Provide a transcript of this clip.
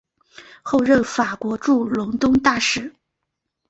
后任法国驻伦敦大使。